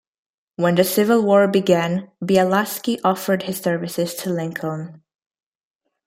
When the Civil War began, Bielaski offered his services to Lincoln.